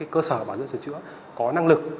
cơ sở bảo dưỡng sửa chữa có năng lực